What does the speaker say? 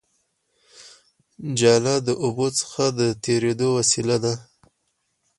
جاله د اوبو څخه د تېرېدو وسیله ده